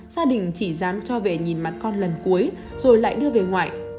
gia đình chỉ dám cho về nhìn mặt con lần cuối rồi lại đưa về ngoại